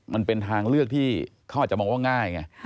มันเป็นทางเลือกที่เขาอาจจะมองว่าง่ายไง